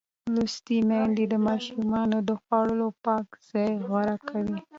لوستې میندې د ماشومانو د خوړو پاک ځای غوره کوي.